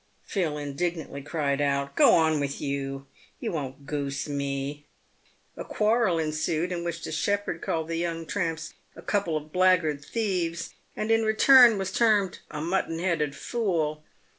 Phil indignantly cried out, " Gro on with you — you won't goose me !" A quarrel ensued, in which the shepherd called the young tramps " a couple of blackguard thieves," and, in return, was termed "a mutton headed fool."